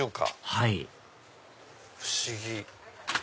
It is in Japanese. はい不思議。